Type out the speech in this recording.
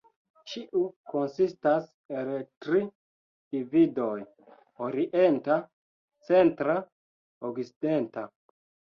Ĉiu konsistas el tri dividoj: Orienta, Centra, Okcidenta.